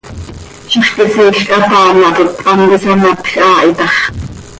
Zixquisiil quih hataamatot, hant isamatj haa hi tax.